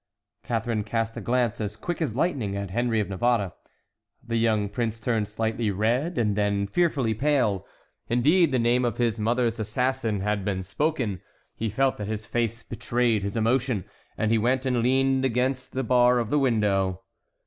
Catharine cast a glance as quick as lightning at Henry of Navarre. The young prince turned slightly red and then fearfully pale. Indeed, the name of his mother's assassin had been spoken; he felt that his face betrayed his emotion, and he went and leaned against the bar of the window.